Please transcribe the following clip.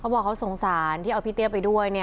เพราะว่าเขาสงสารที่เอาพี่เตี้ยไปด้วย